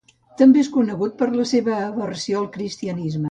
També és conegut per la seva aversió al cristianisme.